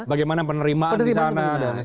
bagaimana penerimaan di sana dan lain sebagainya